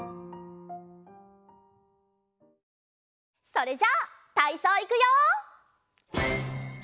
それじゃたいそういくよ！